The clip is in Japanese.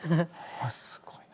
すごいな。